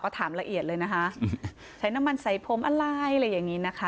ถามละเอียดเลยนะคะใช้น้ำมันใส่ผมอะไรอะไรอย่างนี้นะคะ